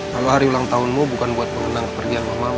kalau hari ulang tahunmu bukan buat berundang kepergian mamahmu